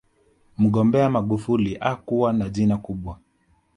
mgombea magufuli hakuwa na jina kubwa